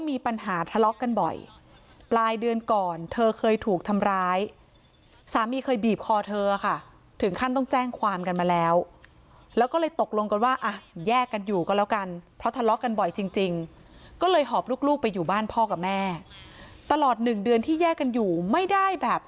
ไม่เป็นไรค่ะพีชก็โอเคแต่มันร้องไห้แล้วตอนนั้นอ่ะ